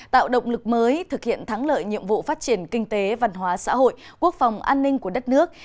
tạo động lực mới thực hiện thắng lợi nhiệm vụ phát triển kinh tế văn hóa xã hội quốc phòng an ninh của đất nước